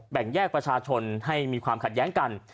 แบ่งแยกประชาชนให้มีความขัดแย้งกัน